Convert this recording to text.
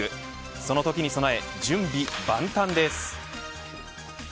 そのときに備え、準備万端です。